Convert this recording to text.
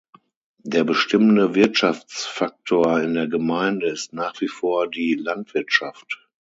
Der bestimmende Wirtschaftsfaktor in der Gemeinde ist nach wie vor die Landwirtschaft.